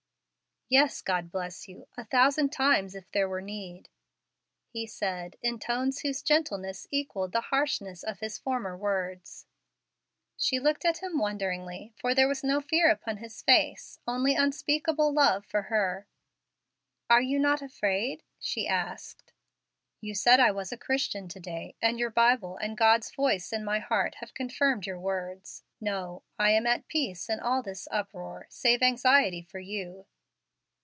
"Yes, God bless you! a thousand times if there were need," he said, in tones whose gentleness equalled the harshness of his former words. She looked at him wonderingly. There was no fear upon his face, only unspeakable love for her. "Are you not afraid?" she asked. "You said I was a Christian to day, and your Bible and God's voice in my heart have confirmed your words. No, I am at peace in all this uproar, save anxiety for you."